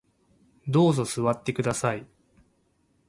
どうぞ座ってください